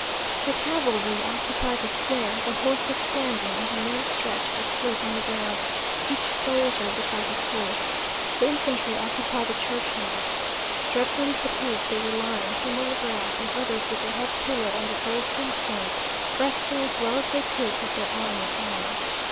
The cavalry occupied the square, the horses standing, and the men stretched asleep on the ground, each soldier beside his horse. The infantry occupied the churchyard. Dreadfully fatigued, they were lying some on the grass, and others with their heads pillowed on the old tombstones, resting as well as they could with their armour on.